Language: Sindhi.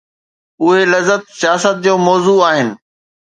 اهي لذت، سياست جو موضوع آهن.